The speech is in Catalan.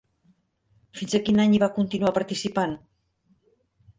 Fins a quin any hi va continuar participant?